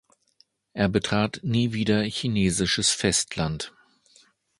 Er betrat nie wieder chinesisches Festland.